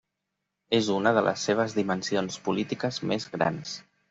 És una de les seves dimensions polítiques més grans.